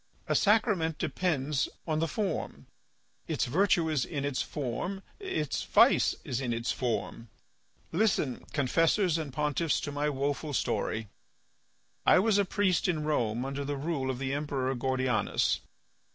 A sacrament depends on the form; its virtue is in its form; its vice is in its form. Listen, confessors and pontiffs, to my woeful story. I was a priest in Rome under the rule of the Emperor Gordianus.